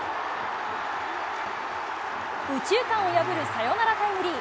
右中間を破るサヨナラタイムリー。